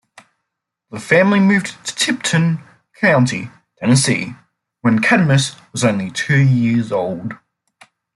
The family moved to Tipton County, Tennessee, when Cadmus was only two years old.